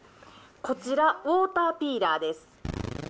こちら、ウォーターピーラーです。